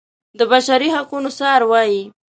د بشري حقونو څار وايي.